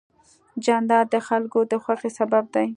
جانداد د خلکو د خوښۍ سبب دی.